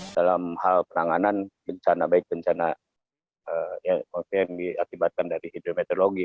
dalam hal penanganan bencana baik bencana yang diakibatkan dari hidrometeorologi